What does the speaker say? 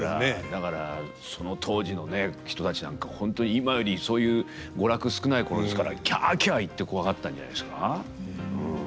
だからその当時のね人たちなんか本当に今よりそういう娯楽少ない頃ですから「キャキャ」言ってコワがったんじゃないですかうん。